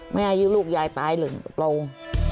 ไม่ให้ลูกยายตายเลยโปร่ง